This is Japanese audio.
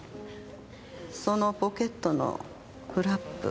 そのポケットのフラップ。